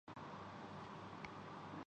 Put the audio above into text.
وہ زور سے ہنسی۔